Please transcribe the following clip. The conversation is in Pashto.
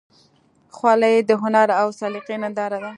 خولۍ د هنر او سلیقې ننداره ده.